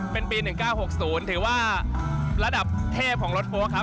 เป็นปี๑๙๖๐ถือว่าระดับเทพของรถโฟลกครับ